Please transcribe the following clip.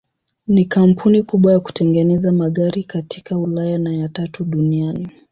Ni kampuni kubwa ya kutengeneza magari katika Ulaya na ya tatu duniani.